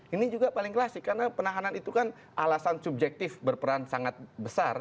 ini juga paling klasik karena penahanan itu kan alasan subjektif berperan sangat besar